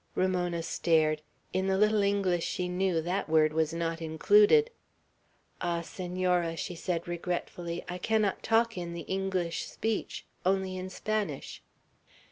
Ramona stared. In the little English she knew, that word was not included. "Ah, Senora," she said regretfully, "I cannot talk in the English speech; only in Spanish."